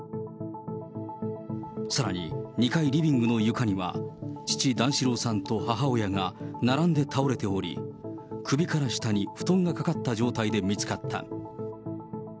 さらに、２階リビングの床には父、段四郎さんと母親が並んで倒れており、首から下に布団がかかった状態で見つかった。